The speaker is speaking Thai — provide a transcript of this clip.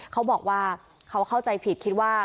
เขาบอกว่าเขาเข้าใจผิดคิดว่า